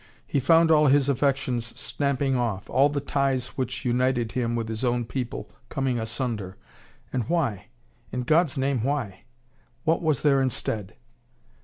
He found all his affections snapping off, all the ties which united him with his own people coming asunder. And why? In God's name, why? What was there instead?